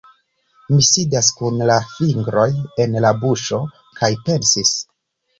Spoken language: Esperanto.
Mi sidas kun la fingroj en la buŝo kaj pensis